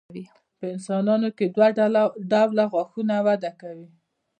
په انسانانو کې دوه ډوله غاښونه وده کوي.